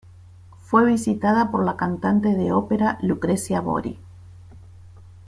Fue visitada por la cantante de ópera Lucrecia Bori.